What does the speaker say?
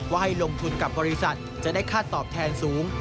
ให้ลงทุนกับบริษัทจะได้ค่าตอบแทนสูง